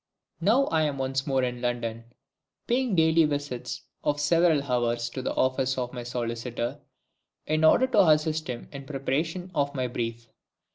Now I am once more in London, paying daily visits of several hours to the office of my solicitor, in order to assist him in the preparation of my brief.